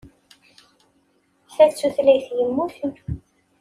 Ta d tutlayt yemmuten.